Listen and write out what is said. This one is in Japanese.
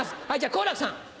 好楽さん。